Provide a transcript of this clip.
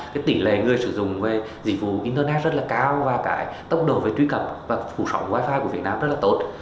cái tỷ lệ người sử dụng về dịch vụ internet rất là cao và cái tốc độ về truy cập và phủ sóng wifi của việt nam rất là tốt